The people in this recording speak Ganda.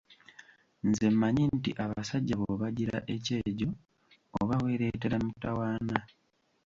Nze mmanyi nti abasajja bw'obagira ekyejo oba weereetera mutawaana.